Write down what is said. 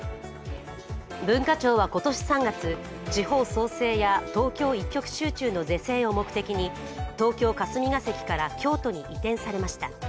文化庁は今年３月、地方創生や東京一極集中の是正を目的に東京・霞が関から京都に移転されました。